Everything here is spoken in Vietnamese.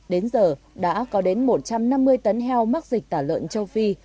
đến giờ đã có đến một trăm năm mươi tấn heo mắc dịch tả lợn châu phi